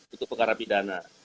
itu perkara pidana